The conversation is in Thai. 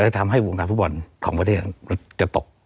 ทำให้ผู้บอลในประเทศก็จะตก